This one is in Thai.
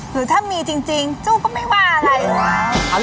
หรือถ้ามีจริงจู้ก็ไม่ว่าอะไร